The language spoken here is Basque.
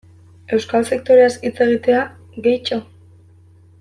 Euskal sektoreaz hitz egitea, gehitxo?